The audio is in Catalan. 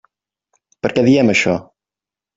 Per què diem això?